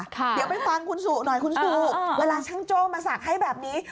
เดี๋ยวไปฟังคุณสุหน่อยคุณสุเวลาช่างโจ้มาสักให้แบบนี้